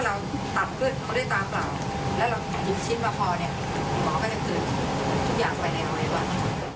แล้วเรายุ่งชิ้นมาพอหมอก็จะตื่นทุกอย่างไปในรอยดีกว่า